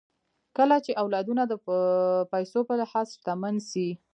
کله چې اولادونه د پيسو په لحاظ شتمن سي